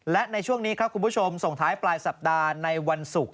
และในช่วงนี้ครับคุณผู้ชมส่งท้ายปลายสัปดาห์ในวันศุกร์